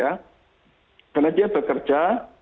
karena dia bekerja